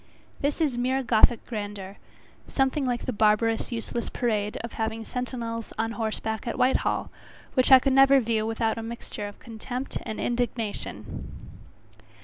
This is mere gothic grandeur, something like the barbarous, useless parade of having sentinels on horseback at Whitehall, which I could never view without a mixture of contempt and indignation.